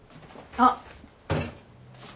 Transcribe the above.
あっ。